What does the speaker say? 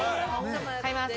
買います。